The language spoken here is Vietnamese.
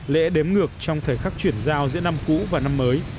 lễ đếm ngược trong thời khắc chuyển giao giữa năm cũ và năm mới